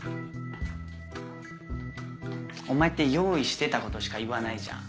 お前って用意してたことしか言わないじゃん。